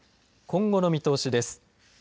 今後の見通しです。